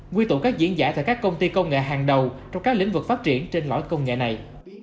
quy tụ các diễn giả tại các công ty công nghệ hàng đầu trong các lĩnh vực phát triển trên lõi công nghệ này